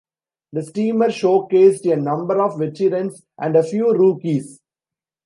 The Steamer showcased a number of veterans and a few rookies.